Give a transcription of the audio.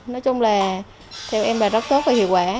nói chung là theo em là rất tốt và hiệu quả